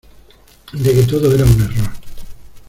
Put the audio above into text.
de que todo era un error.